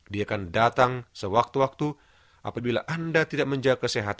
dia akan datang sewaktu waktu apabila anda tidak menjaga kesehatan